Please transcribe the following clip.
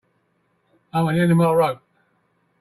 I'm at the end of my rope.